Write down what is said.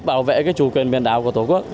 bảo vệ chủ quyền biển đảo của tổ quốc